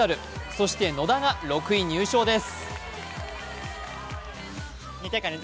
そして野田が６位入賞です。